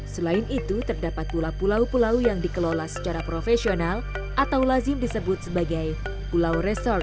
selain itu terdapat pula pulau pulau yang dikelola secara profesional atau lazim disebut sebagai pulau resort